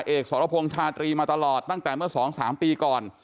เอกสรพงษ์ชาตรีมาตลอดตั้งแต่เมื่อ๒๓ปีก่อน